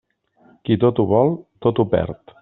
Qui tot ho vol, tot ho perd.